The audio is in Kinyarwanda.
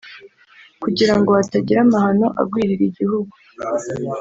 kugira ngo hatagira amahano agwirira igihugu